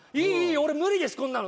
俺無理ですこんなの。